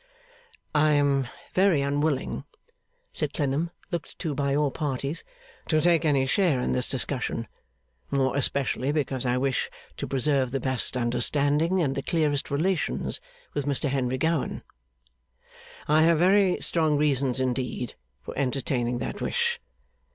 'I am very unwilling,' said Clennam, looked to by all parties, 'to take any share in this discussion, more especially because I wish to preserve the best understanding and the clearest relations with Mr Henry Gowan. I have very strong reasons indeed, for entertaining that wish.